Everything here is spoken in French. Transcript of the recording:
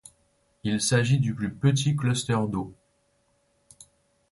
Il s'agit du plus petit cluster d'eau.